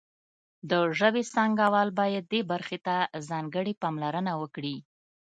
د ژبې څانګوال باید دې برخې ته ځانګړې پاملرنه وکړي